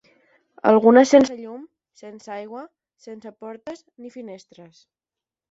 Algunes sense llum, sense aigua, sense portes, ni finestres.